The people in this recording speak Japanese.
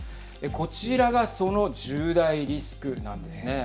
こちらがその１０大リスクなんですね。